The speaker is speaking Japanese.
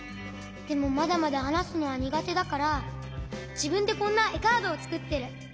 でもまだまだはなすのはにがてだからじぶんでこんなえカードをつくってる。